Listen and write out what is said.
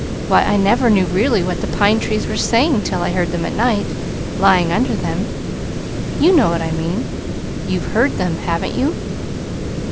Why, I never knew really what the pine trees were saying till I heard them at night, lying under them. You know what I mean. You've heard them, haven't you?"